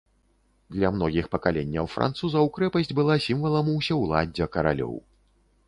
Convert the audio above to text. Для многіх пакаленняў французаў крэпасць была сімвалам усеўладдзя каралёў.